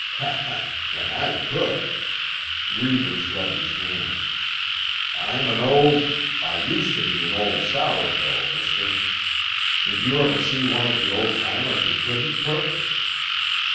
"Heh, heh! Can I cook?" Reivers rubbed his hands. "I'm an old—I used to be an old sour dough, mister. Did you ever see one of the old timers who couldn't cook?"